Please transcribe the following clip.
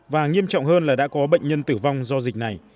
và nghiêm trọng hơn là đã có bệnh nhân tử vong do dịch này